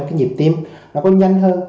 cái nhiệp tim nó có nhanh hơn